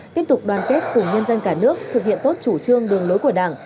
tiếp tục đoàn kết cùng nhân dân cả nước thực hiện tốt chủ trương đường lối của đảng